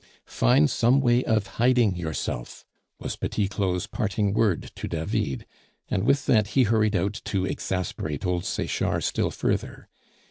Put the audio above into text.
"Find some way of hiding yourself," was Petit Claud's parting word to David, and with that he hurried out to exasperate old Sechard still further.